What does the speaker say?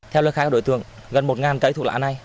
theo lời khai của đối tượng gần một cây thuốc lá này